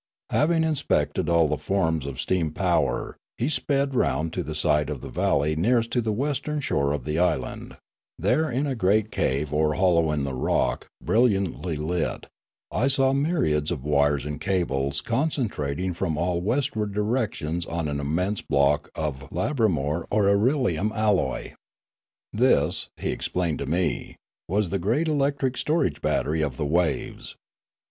Having inspected all the forms of stream power, he sped round to the side of the valley nearest to the western shore of the island; there in a Rimla 105 great cave or hollow in the rock, brilliantly lit, I saw myriads of wires and cables concentrating from all westward directions on an immense block of labramor or irelium alloy. This, he explained to me, was the great electric storage battery of the waves.